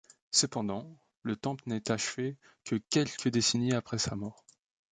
Cependant, le temple n'est achevé que quelques décennies après sa mort.